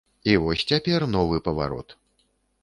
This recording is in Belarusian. І вось цяпер новы паварот.